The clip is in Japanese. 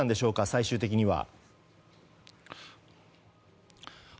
最終的には。